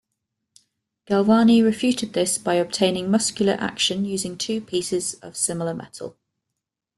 Galvani refuted this by obtaining muscular action using two pieces of similar metal.